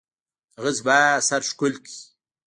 هغه زما سر ښکل کړ.